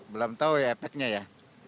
belum tahu ya efeknya ya